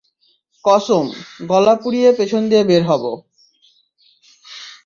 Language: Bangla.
কসম, গলা পুড়িয়ে পেছন দিয়ে বের হবো।